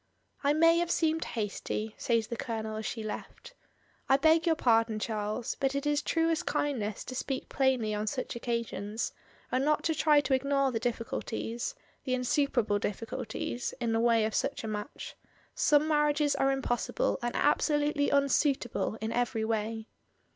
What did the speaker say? "I may have seemed. hasty," says the Colonel as she left. "I beg your pardon, Charles; but it is truest kindness to speak plainly on such occasions, and not to try to ignore the difficulties — the insuperable difficulties, in the way of such a match. Some marriages are impos sible and absolutely unsuitable in every way."